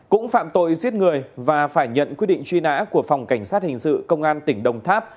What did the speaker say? cũng phạm tội giết người và phải nhận quyết định truy nã của phòng cảnh sát hình sự công an tỉnh đồng tháp